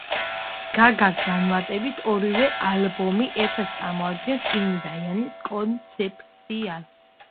გაგა განმარტებით ორივე ალბომი ერთად წარმოადგენს ინი და იანის კონცეფციას.